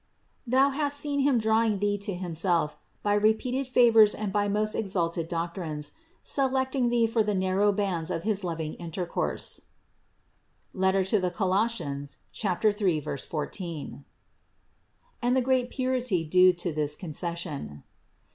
Thou hast seen Him draw ing thee to Himself by repeated favors and by most exalted doctrines, selecting thee for the narrow bands of his loving intercourse (Coloss. 3, 14) ; and the great purity due to this concession.